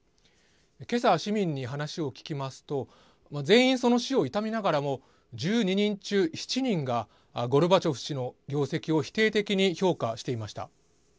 けさ、市民に話を聞きますと全員、その死を悼みながらも１２人中７人がゴルバチョフ氏の業績を否定的に評価していました。